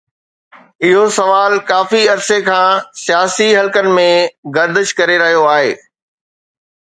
اهو سوال ڪافي عرصي کان سياسي حلقن ۾ گردش ڪري رهيو آهي.